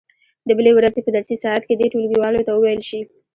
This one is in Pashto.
د بلې ورځې په درسي ساعت کې دې ټولګیوالو ته وویل شي.